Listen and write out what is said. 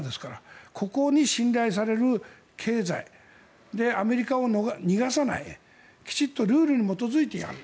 ここに信頼される経済でアメリカを逃がさないできちんとルールに基づいてやる。